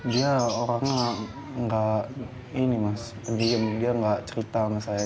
dia orangnya nggak ini mas dia nggak cerita sama saya